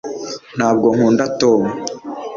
ntabwo nkunda tom